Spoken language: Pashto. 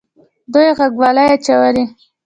دوی غوږوالۍ اچولې